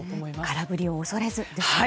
空振りを恐れずですね。